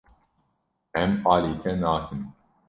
Em alî te nakin.